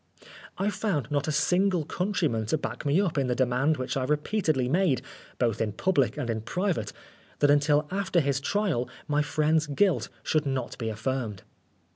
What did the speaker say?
I found not a single country man to back me up in the demand which I repeatedly made, both in public and in private, that until after his trial my friend's guilt should not be affirmed.